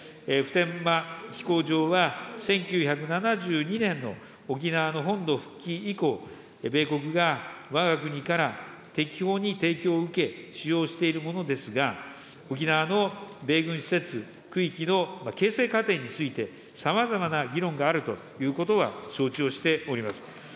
普天間飛行場は、１９７２年の沖縄の本土復帰以降、米国がわが国から適法に提供を受け使用しているものですが、沖縄の米軍施設区域の形成過程について、さまざまな議論があるということは承知をしております。